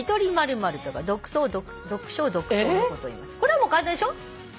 これはもう簡単でしょ。